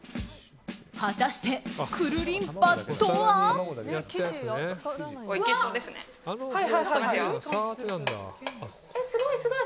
果たして、くるりんぱとは？